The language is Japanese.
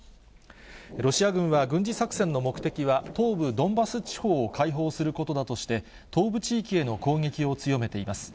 ロシア軍は、軍事作戦の目的は東部ドンバス地方を解放することだとして、東部地域への攻撃を強めています。